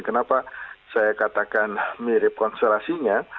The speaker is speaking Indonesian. kenapa saya katakan mirip konstelasinya